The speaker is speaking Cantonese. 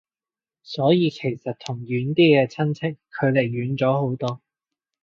所以其實同遠啲嘅親戚距離遠咗好多